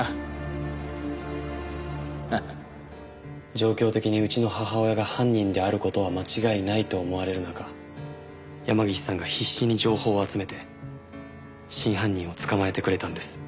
状況的にうちの母親が犯人である事は間違いないと思われる中山岸さんが必死に情報を集めて真犯人を捕まえてくれたんです。